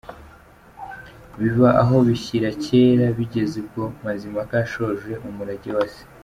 Biba aho bishyira kera; bigeza ubwo Mazimpaka ashoje umurage wa se.